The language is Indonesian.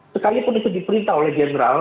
sekalipun itu diperintah oleh general